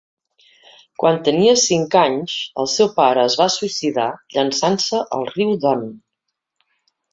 Quan tenia cinc anys el seu pare es va suïcidar llançant-se al riu Don.